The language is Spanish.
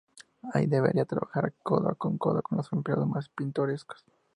Allí, deberá trabajar codo con codo con los empleados más pintorescos.